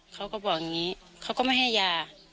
เขาก็บอกอย่างนี้เขาก็ไม่ให้ยา